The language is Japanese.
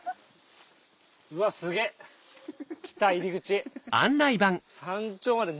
うわすげぇ来た入り口。